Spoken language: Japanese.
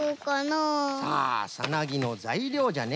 ああサナギのざいりょうじゃね。